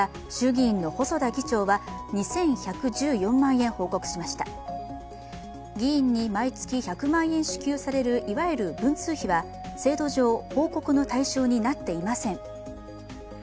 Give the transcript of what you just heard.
議員に毎月１００万円支給されるいわゆる文通費は制度上、報告の対象になっていません。